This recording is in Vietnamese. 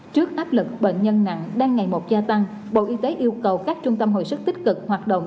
trước áp lực bệnh nhân nặng đang ngày một gia tăng bộ y tế yêu cầu các trung tâm hồi sức tích cực hoạt động